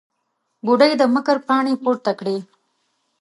بوډۍ د مکر پاڼې پورته کړې.